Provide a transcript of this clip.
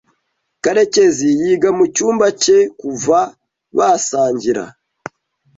Karekezi yiga mucyumba cye kuva basangira.